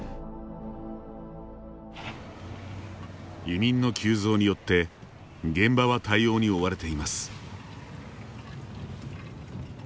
移民の急増によって現場は対応に追われています。